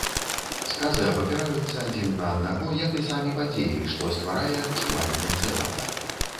Сказы абапіраюцца адзін на аднаго, як і самі падзеі, што стварае адчуванне цэлага.